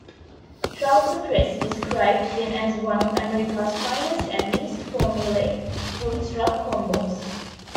"Trouser Press" described them as "one of America's finest and least formulaic roots-rock combos.